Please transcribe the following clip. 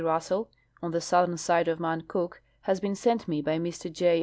Russell on the southern side of mount Cook has been sent me by Mr J.